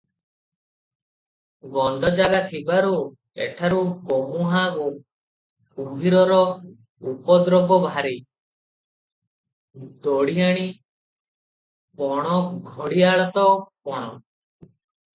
ଗଣ୍ତଜାଗା ଥିବାରୁ ଏଠାରୁ ଗୋମୁଁହା କୁମ୍ଭୀରର ଉପଦ୍ରବ ଭାରି, ଦଢ଼ିଆଣି, ପଣ ଘଡ଼ିଆଳ ତ ପଣ ।